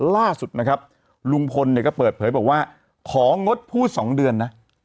ล่าสุดนะครับลุงพลเนี่ยก็เปิดเผยบอกว่าของงดพูด๒เดือนนะ